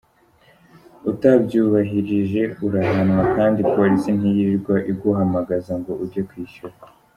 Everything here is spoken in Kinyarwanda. Utabyubahirije urahanwa, kandi Polisi ntiyirirwa iguhamagaza ngo ujye kwishyura.